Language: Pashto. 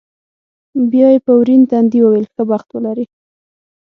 بیا یې په ورین تندي وویل، ښه بخت ولرې.